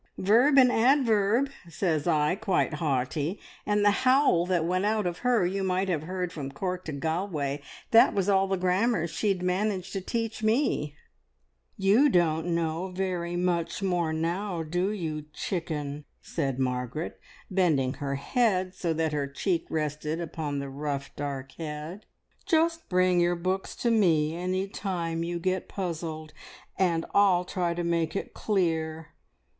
`Verb and adverb,' says I, quite haughty; and the howl that went out of her you might have heard from Cork to Galway! That was all the grammar she'd managed to teach me!" "You don't know very much more now, do you, chicken?" said Margaret, bending her head so that her cheek rested upon the rough, dark head. "Just bring your books to me any time you get puzzled, and I'll try to make it clear.